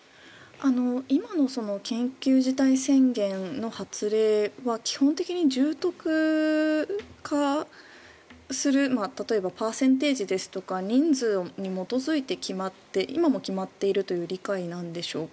今の緊急事態宣言の発令は基本的に重篤化する例えばパーセンテージですとか人数に基づいて決まって今も決まっているという理解なんでしょうか？